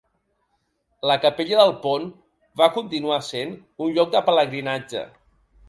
La capella del pont van continuar essent un lloc de pelegrinatge.